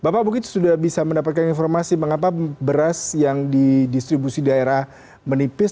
bapak mungkin sudah bisa mendapatkan informasi mengapa beras yang didistribusi daerah menipis